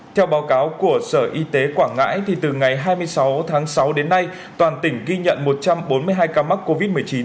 theo báo cáo của sở y tế quảng ngãi từ ngày hai mươi sáu tháng sáu đến nay toàn tỉnh ghi nhận một trăm bốn mươi hai ca mắc covid một mươi chín